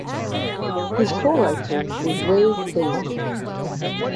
His co-writer was Ray Cane.